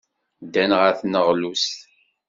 Ddan ɣer tneɣlust.